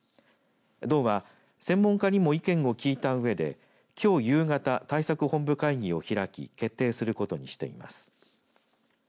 道は専門家にも意見を聞いたうえできょう夕方、対策本部会議を開き決定することにしています。